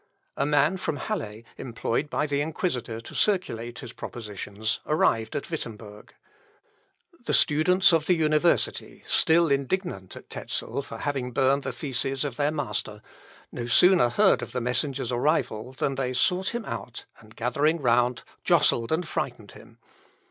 A man from Halle, employed by the inquisitor to circulate his propositions, arrived at Wittemberg. The students of the university, still indignant at Tezel for having burned the theses of their master, no sooner heard of the messenger's arrival, than they sought him out, and, gathering round, jostled and frightened him.